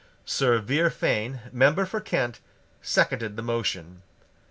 Sir Vere Fane, member for Kent, seconded the motion.